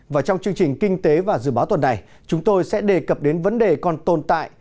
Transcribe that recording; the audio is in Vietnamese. và trong chương trình kinh tế và dự báo tuần này chúng tôi sẽ đề cập đến vấn đề còn tồn tại